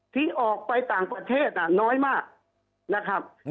ที่ออกไปต่างประเทศน้อยมากนะครับ